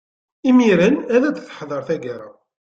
Imiren ad d-teḥḍer taggara.